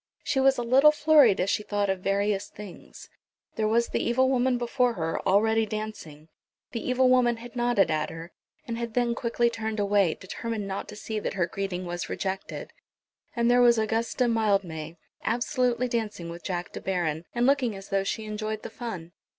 She was a little flurried as she thought of various things. There was the evil woman before her, already dancing. The evil woman had nodded at her, and had then quickly turned away, determined not to see that her greeting was rejected; and there was Augusta Mildmay absolutely dancing with Jack De Baron, and looking as though she enjoyed the fun.